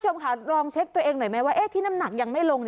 คุณผู้ชมค่ะลองเช็คตัวเองหน่อยไหมว่าที่น้ำหนักยังไม่ลง